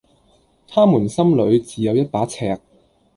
他們心裏自有一把尺